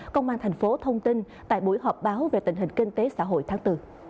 công an tp hcm thông tin tại buổi họp báo về tình hình kinh tế xã hội tháng bốn